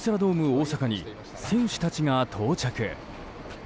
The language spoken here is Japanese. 大阪に選手たちが到着。